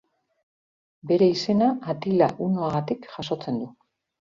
Bere izena Atila hunoagatik jasotzen du.